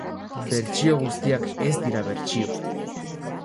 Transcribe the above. Bertsio guztiak ez dira bertsio.